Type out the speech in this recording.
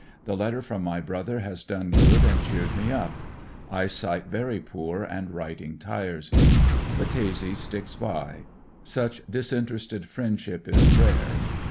The letter from my brother has done good and cheered me up. Eye sight very poor and writing tires me. Battese sticks by; such disinterested friendship is rare.